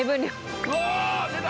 うわ出た！